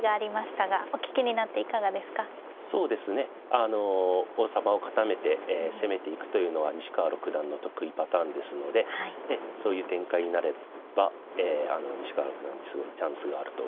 あの王様を固めて攻めていくというのは西川六段の得意パターンですのでそういう展開になれば西川六段にすごいチャンスがあると思います。